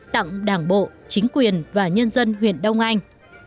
tặng đảng bộ chính quyền và nhân dân huyện đông anh